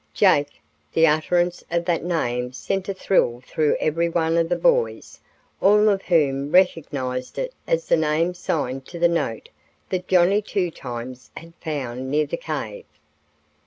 "Jake!" The utterance of that name sent a thrill through every one of the boys, all of whom recognized it as the name signed to the note that "Johnny Two Times" had found near the cave.